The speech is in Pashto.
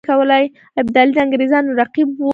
ابدالي د انګرېزانو رقیب وو.